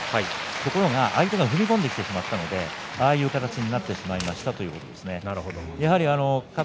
ところが相手が踏み込んでしまったのでああいう形になってしまいましたと話していました。